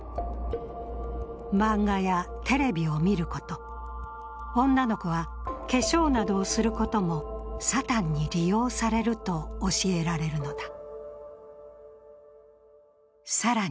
漫画やテレビを見ること、女の子は化粧などをすることもサタンに利用されると教えられるのだ。